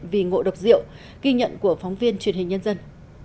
vì ngộ độc rượu ghi nhận của phóng viên truyền hình nhân dân